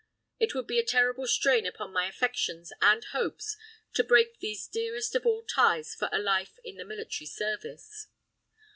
It would be a terrible strain upon my affections and hopes to break these dearest of all ties for a life in the military service.